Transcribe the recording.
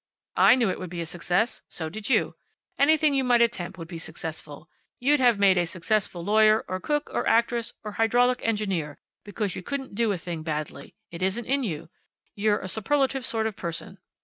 "I knew it would be a success. So did you. Anything you might attempt would be successful. You'd have made a successful lawyer, or cook, or actress, or hydraulic engineer, because you couldn't do a thing badly. It isn't in you. You're a superlative sort of person.